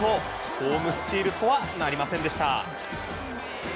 ホームスチールとはなりませんでした。